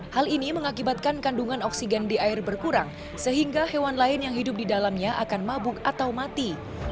hal ini mengakibatkan kandungan oksigen di air berkurang sehingga hewan lain yang hidup di dalamnya akan mabuk atau mati